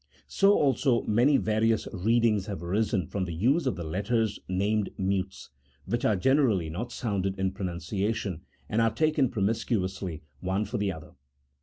So also many various readings have arisen from the use of the letters named mutes, which are generally not sounded in pronunciation, and are taken promiscuously, one for the other.